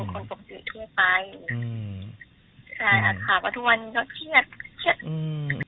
คนคนปกติเทียดไปอืมใช่อะค่ะประถุวันนี้ก็เทียดเทียดอืม